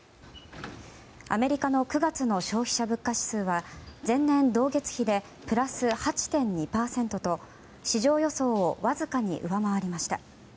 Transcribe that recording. アメリカの９月の消費者物価指数は前年同月比でプラス８．２％と市場予想をわずかに上回りました。